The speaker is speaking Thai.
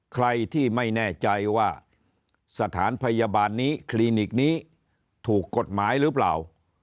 ใครที่ไม่แน่ใจว่าสถานพยาบาลนี้คลินิกนี้ถูกกฎหมายหรือเปล่า